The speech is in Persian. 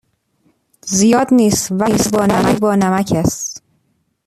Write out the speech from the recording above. زیاد نیست ولی بانمک است.